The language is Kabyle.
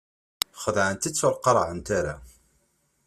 Xedɛent-tt ur qarɛent ara.